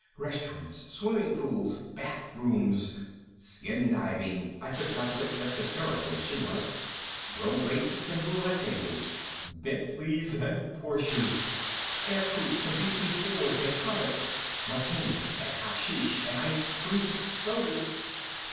"Restaurants. Swimming pools. Bathrooms!" "Skindiving," I took it up with, as hysterical as she was. "Road races and roulette tables." "Bentleys and Porsches!" "Aircoups and DC4s and Comets!" "Martinis and hashish and ice cream sodas!"